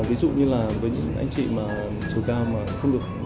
ví dụ như là với những anh chị mà chiều cao mà không được